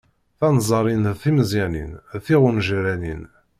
Tanzarin d timeẓyanin d tiɣunǧranin.